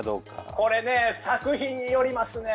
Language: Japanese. これね作品によりますね。